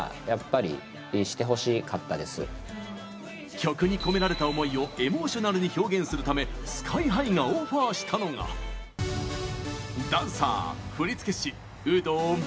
曲に込められた思いをエモーショナルに表現するためＳＫＹ‐ＨＩがオファーしたのがダンサー・振付師、有働真帆。